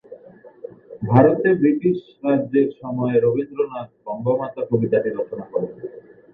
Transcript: ভারতে ব্রিটিশ রাজের সময়ে রবীন্দ্রনাথ "বঙ্গমাতা" কবিতাটি রচনা করেন।